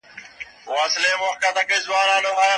حیات الله ته د مېرمنې خبره اوس د کاڼي کرښه ښکاري.